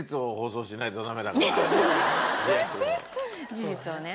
事実をね。